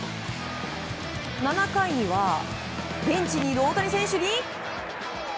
７回には、ベンチにいる大谷選手に。